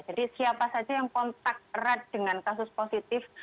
jadi siapa saja yang kontak erat dengan kasus positif